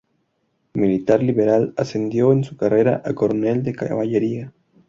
Militar liberal, ascendió en su carrera a coronel de Caballería.